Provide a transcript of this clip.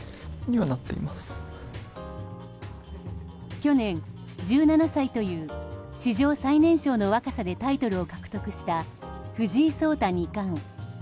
去年１７歳という史上最年少の若さでタイトルを獲得した藤井聡太二冠。